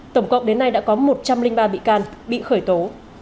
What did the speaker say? tổng cộng đến nay đã có một trăm linh ba bị can bị khởi tố